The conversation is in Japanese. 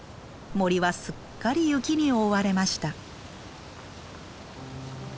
森はすっかり雪に覆われました。